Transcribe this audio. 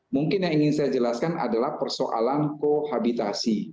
mungkin yang ingin saya jelaskan adalah persoalan kohabitasi